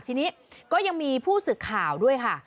ทีนี้ก็ยังมีผู้สื่อข่าวด้วยค่ะ